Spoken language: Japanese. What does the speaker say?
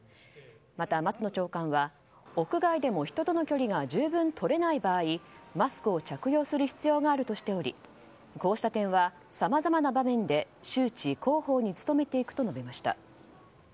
また松野長官は、屋外でも人との距離が十分取れない場合マスクを着用する必要があるとしておりこうした点はさまざまな場面で周知・広報に努めていくと述べました。